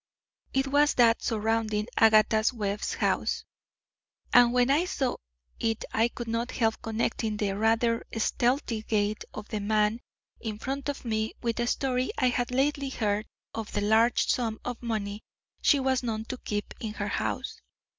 It was that surrounding Agatha Webb's house, and when I saw it I could not help connecting the rather stealthy gait of the man in front of me with a story I had lately heard of the large sum of money she was known to keep in her house.